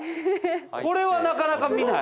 これはなかなか見ない。